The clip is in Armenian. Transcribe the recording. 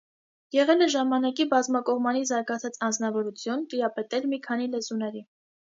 Եղել է ժամանակի բազմակողմանի զարգացած անձնավորություն, տիրապետել մի քանի լեզուների։